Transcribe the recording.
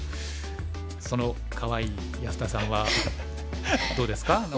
そのかわいい安田さんはどうですか？